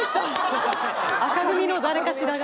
紅組の誰かしらが。